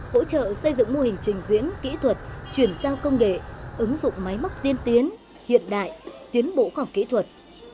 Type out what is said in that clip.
hỗ trợ xây dựng mô hình trình diễn kỹ thuật chuyển giao công nghệ ứng dụng máy móc tiên tiến hiện đại tiến bộ khoa học kỹ thuật